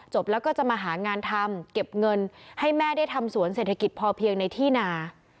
แล้วก็จะมาหางานทำเก็บเงินให้แม่ได้ทำสวนเศรษฐกิจพอเพียงในที่นา